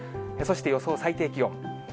そして予想最低気温。